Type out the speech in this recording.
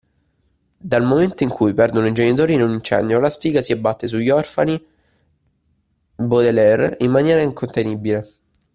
Dal momento in cui perdono i genitori in un incendio, la sfiga si abbatte sugli orfani Baudelaire in maniera incontenibile.